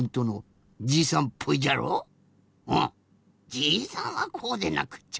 じいさんはこうでなくっちゃ。